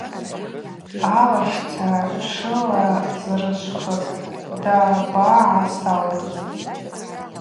Алащцара тшылазрышвхыз дабагӏасаурыз.